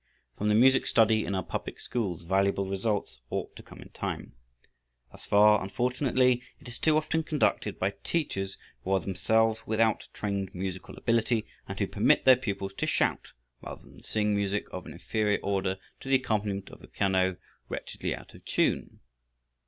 From the music study in our public schools valuable results ought to come in time. Thus far, unfortunately, it is too often conducted by teachers who are themselves without trained musical ability and who permit their pupils to shout rather than sing music of an inferior order to the accompaniment of a piano wretchedly out of tune.